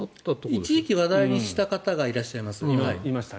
一時期、話題にした方がいらっしゃいます。